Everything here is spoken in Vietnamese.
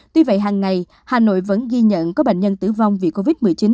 tuy vậy hàng ngày hà nội vẫn ghi nhận có bệnh nhân tử vong vì covid một mươi chín